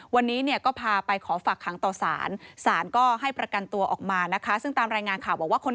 วันนี้เนี่ยก็พาไปขอฝากหางต่อสารสารก็ให้ประกันตัวออกมานะคะ